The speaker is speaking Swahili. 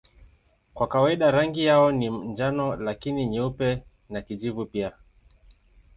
Kwa kawaida rangi yao ni njano lakini nyeupe na kijivu pia.